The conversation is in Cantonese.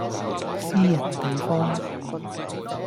私人地方